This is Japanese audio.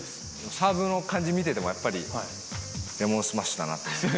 サーブの感じ見ててもやっぱり、レモンスマッシュだなって思います。